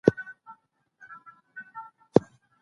که ښوونکی مهربانه وي، زده کوونکي ویره نه لري.